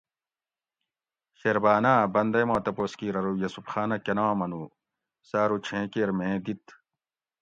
شیرباناۤ بندئی ما تپوس کیر ارو یوسف خانہ کناں منو؟ سہ ارو چھیں کیر میں دِیت